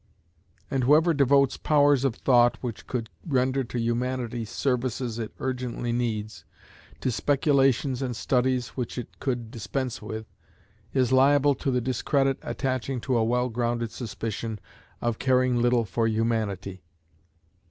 And whoever devotes powers of thought which could render to Humanity services it urgently needs, to speculations and studies which it could dispense with, is liable to the discredit attaching to a well grounded suspicion of caring little for Humanity.